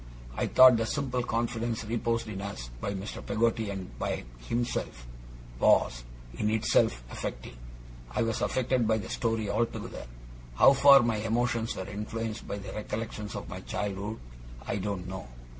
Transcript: I thought the simple confidence reposed in us by Mr. Peggotty and by himself, was, in itself, affecting. I was affected by the story altogether. How far my emotions were influenced by the recollections of my childhood, I don't know.